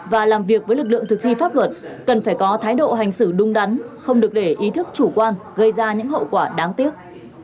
và làm việc với lực lượng thực thi pháp luật cần phải có thái độ hành xử đúng đắn không được để ý thức chủ quan gây ra những hậu quả đáng tiếc